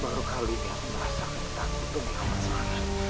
baru kali ini aku merasa minta kebutuhan sama sana